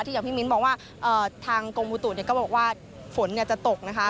อย่างพี่มิ้นบอกว่าทางกรมบุตุก็บอกว่าฝนจะตกนะคะ